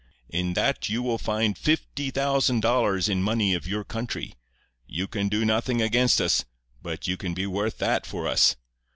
"'In that you will find fifty thousand dollars in money of your country. You can do nothing against us, but you can be worth that for us.